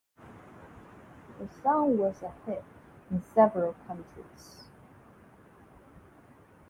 The song was a hit in several countries.